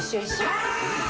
あ！